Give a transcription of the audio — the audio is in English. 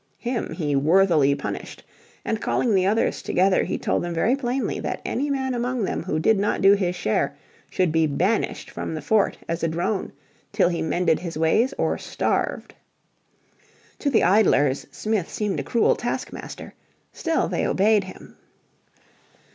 Him he "worthily punished," and calling the others together, he told them very plainly that any man among them who did not do his share should be banished from the fort as a drone, till he mended his ways or starved. To the idlers Smith seemed a cruel task master; still they obeyed him.